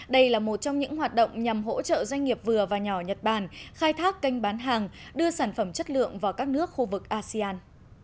đây là một trong những hoạt động nhằm hỗ trợ doanh nghiệp vừa và nhỏ nhật bản khai thác kênh bán hàng đưa sản phẩm chất lượng vào các nước khu vực asean